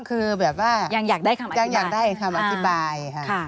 คือแบบว่ายังอยากได้คำอธิบายค่ะ